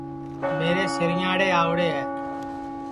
میرے سُِرئینٚئاڑے آؤڑے ہے